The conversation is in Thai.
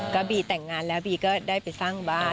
ก็บีแต่งงานแล้วบีก็ได้ไปสร้างบ้าน